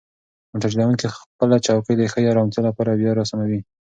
موټر چلونکی خپله چوکۍ د ښې ارامتیا لپاره بیا راسموي.